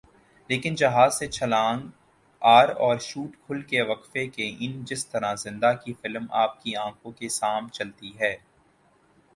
لیکن جہاز سے چھلانگ ر اور شوٹ کھل کے وقفہ کے ان جسطرح زندہ کی فلم آپ کی آنکھوں کے سام چلتی ہے